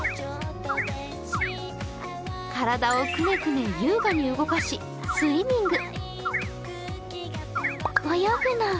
体をくねくね優雅に動かしスイミング。